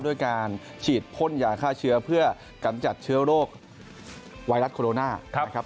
ด้วยการฉีดพ่นยาฆ่าเชื้อเพื่อกำจัดเชื้อโรคไวรัสโคโรนานะครับ